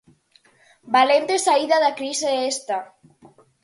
¡Valente saída da crise esta!